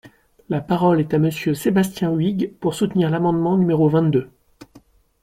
La parole est à Monsieur Sébastien Huyghe, pour soutenir l’amendement numéro vingt-deux.